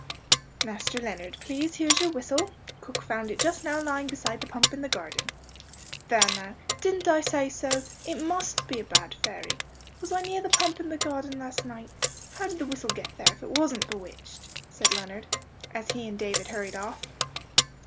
"Master Leonard, please, here's your whistle. Cook found it just now lying beside the pump in the garden." "There now didn't I say so? It must be a bad fairy. Was I near the pump in the garden last night? How did the whistle get there, if it wasn't bewitched?" said Leonard, as he and David hurried off.